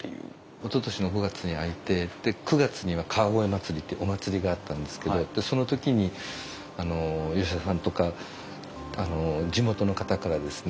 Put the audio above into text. おととしの５月に開いて９月には川越まつりってお祭りがあったんですけどその時に吉田さんとか地元の方からですね